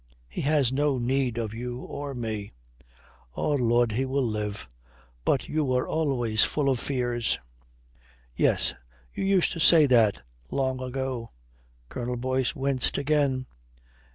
He has no need of you or me." "Oh Lud, he will live. But you were always full of fears." "Yes. You used to say that long ago." Colonel Boyce winced again.